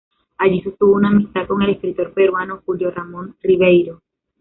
Allí sostuvo una amistad con el escritor peruano Julio Ramón Ribeyro.